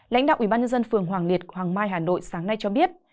lãnh đạo ubnd phường hoàng liệt hoàng mai hà nội sáng nay cho biết